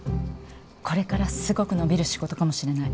これからすごく伸びる仕事かもしれない。